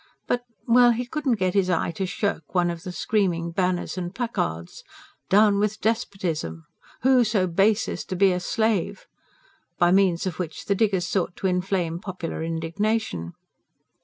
But well, he could not get his eye to shirk one of the screaming banners and placards: "Down with Despotism!" "Who so base as be a Slave!" by means of which the diggers sought to inflame popular indignation.